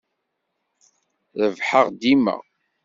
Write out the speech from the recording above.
Rebbḥeɣ dima.